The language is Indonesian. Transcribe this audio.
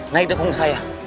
naik depan saya